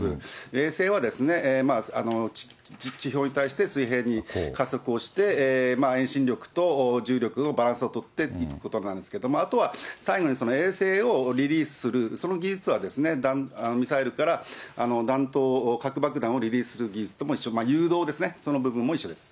衛星は地表に対して水平に加速をして、遠心力と重力のバランスを取っていくことになるんですけれども、あとは最後に、衛星をリリースする、その技術はミサイルから弾頭、核爆弾をリリースする技術と一緒、誘導ですね、その部分も一緒です。